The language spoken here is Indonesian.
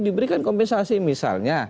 diberikan kompensasi misalnya